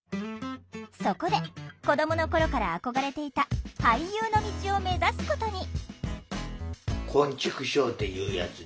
そこで子どもの頃から憧れていた俳優の道を目指すことに！